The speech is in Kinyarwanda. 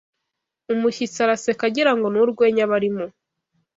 Umushyitsi araseka agirango ni urwenya barimo